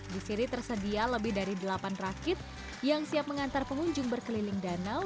di sini tersedia lebih dari delapan rakit yang siap mengantar pengunjung berkeliling danau